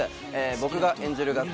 僕が演じる学校